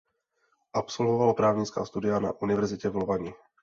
Absolvoval právnická studia na univerzitě v Lovani.